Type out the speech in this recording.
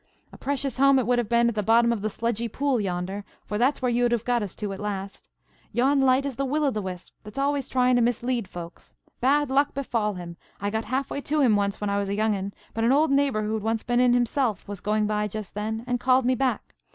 A precious home it would have been at the bottom of the sludgy pool yonder, for that's where you'd have got us to at last. Yon light is the Will o' the Wisp, that's always trying to mislead folks. Bad luck befall him! I got halfway to him once when I was a young 'un, but an old neighbour who'd once been in himself was going by just then, and called me back.